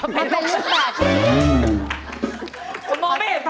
มาเป็นลูกแบต